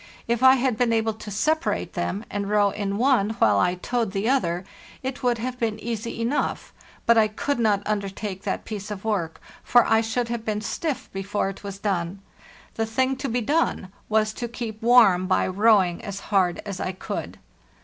If I had been able to separate them, and row in one while I towed the other, it would have been easy enough; but I could not undertake that piece of work, for I should have been stiff before it was done; the thing to be done was to keep warm by rowing as hard as I could.